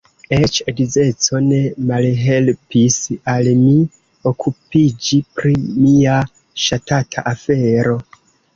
Eĉ edzeco ne malhelpis al mi okupiĝi pri mia ŝatata afero.